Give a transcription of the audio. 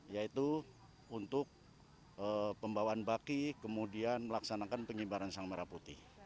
yaitu untuk pembawaan baki kemudian melaksanakan pengibaran sang merah putih